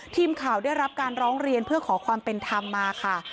ทีมข่าวได้รับการร้องเรียนเพื่อขอความเป็นธรรมมาค่ะ